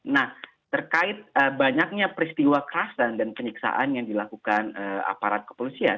nah terkait banyaknya peristiwa kerasan dan penyiksaan yang dilakukan aparat kepolisian